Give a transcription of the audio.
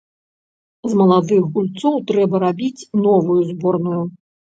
З маладых гульцоў трэба рабіць новую зборную.